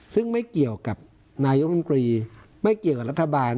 ซึ่งไม่เกี่ยวกับนายกรรมกรีไม่เกี่ยวกับรัฐบาล